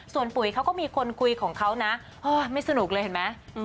ส่วนปุ๋ยเขาก็มีคนคุยของเขานะไม่สนุกเลยเห็นไหม